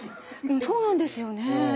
そうなんですよねえ。